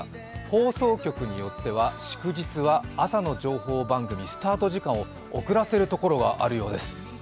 放送局によっては、祝日は朝の情報番組、スタート時間を遅らせるところがあるようです。